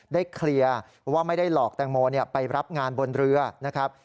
เคลียร์ว่าไม่ได้หลอกแตงโมไปรับงานบนเรือนะครับ